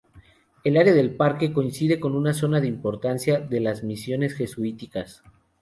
El área del parque, coincide con una zona de importancia de las misiones jesuíticas.